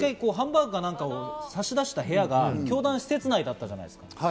ハンバーグか何かを差し出した部屋が教団施設内だったじゃないですか。